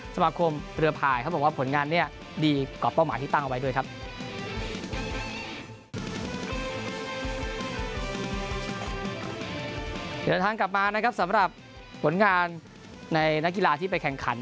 สมาคมเรือพายเขาบอกว่าผลงานเนี่ย